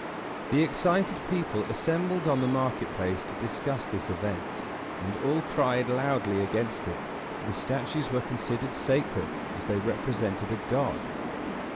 The excited people assembled on the market place to discuss this event; and all cried loudly against it, for the statues were considered sacred, as they represented a god.